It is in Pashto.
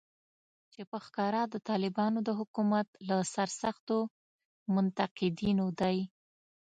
چې په ښکاره د طالبانو د حکومت له سرسختو منتقدینو دی